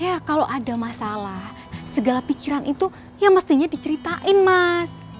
ya kalau ada masalah segala pikiran itu ya mestinya diceritain mas